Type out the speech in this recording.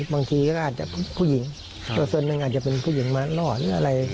บางทีก็อาจจะผู้หญิงส่วนหนึ่งอาจจะเป็นผู้หญิงมาล่อหรืออะไร